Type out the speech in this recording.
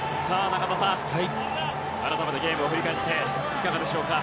中田さん、改めてゲームを振り返っていかがでしょうか。